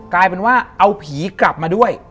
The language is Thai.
กลายเป็นว่าเอาผีกลับมาด้วย